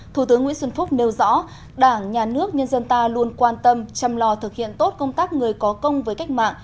thủ tướng nguyễn xuân phúc nêu rõ đảng nhà nước nhân dân ta luôn quan tâm chăm lo thực hiện tốt công tác người có công với cách mạng